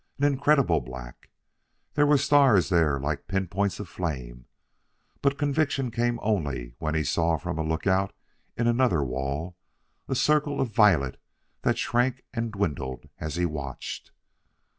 An incredible black! There were stars there like pinpoints of flame! But conviction came only when he saw from a lookout in another wall a circle of violet that shrank and dwindled as he watched....